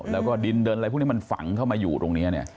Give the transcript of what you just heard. แล้วก็ดินเดินอะไรพวกนี้มันฝังเข้ามาอยู่ตรงนี้เนี่ย